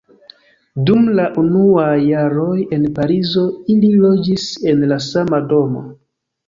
Dum la unuaj jaroj en Parizo ili loĝis en la sama domo.